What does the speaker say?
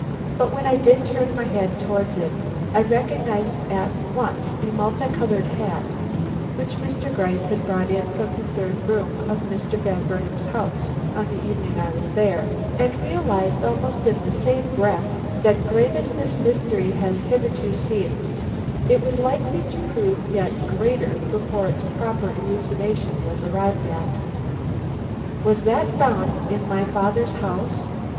But when I did turn my head towards it, I recognized at once the multi colored hat which Mr. Gryce had brought in from the third room of Mr. Van Burnam's house on the evening I was there, and realized almost in the same breath that great as this mystery had hitherto seemed it was likely to prove yet greater before its proper elucidation was arrived at. "Was that found in my father's house?